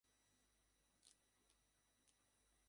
রাজা হাসিয়া বলিলেন, এ তো মায়ের আদেশ নয়, এ রঘুপতির আদেশ।